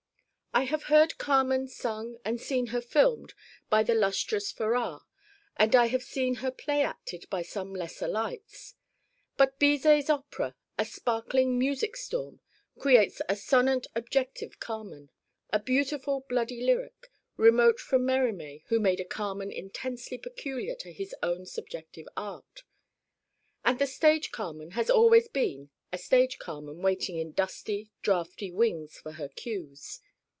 I have heard Carmen sung and seen her filmed by the lustrous Farrar, and I have seen her play acted by some lesser lights. But Bizet's opera, a sparkling music storm, creates a sonant objective Carmen, a beautiful bloody lyric, remote from Mérimée who made a Carmen intensely peculiar to his own subjective art. And the stage Carmen has always been a stage Carmen waiting in dusty, draughty wings for her cues.